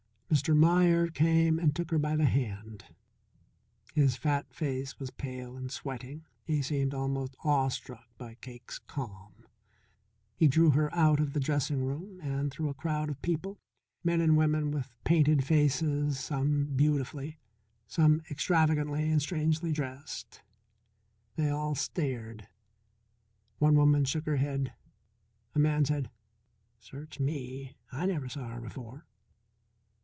Mr. Meier came and took her by the hand. His fat face was pale and sweating, he seemed almost awestruck by Cake's calm. He drew her out of the dressing room and through a crowd of people, men and women with painted faces, some beautifully, some extravagantly and strangely dressed. They all stared. One woman shook her head. A man said: "Search me! I never saw her before."